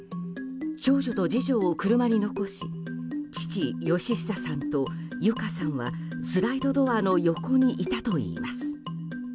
長女と次女を車に残し父・嘉久さんと友香さんはスライドドアの横にいたといいます。